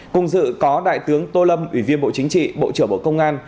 cùng dự có đại tướng tô lâm ủy viên bộ chính trị bộ trưởng bộ công an